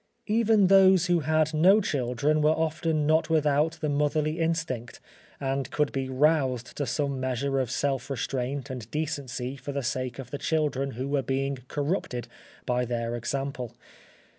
Even those who had no children were often not without the motherly instinct, and could be roused to some measure of self restraint and decency for the sake of the children who were being corrupted by their example.